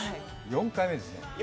４回目です。